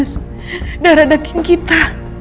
saya sudah kasih cb posisi